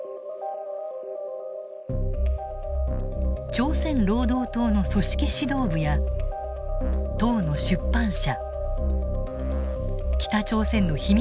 朝鮮労働党の組織指導部や党の出版社北朝鮮の秘密